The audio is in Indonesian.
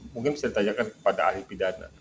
mungkin bisa ditanyakan kepada ahli pidana